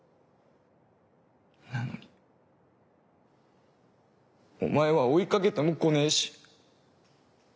なのにお前は追いかけても来ねぇし。